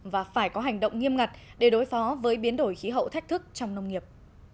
và phải có hành động nghiêm ngặt để đối phó với biến đổi khí hậu thách thức trong nông nghiệp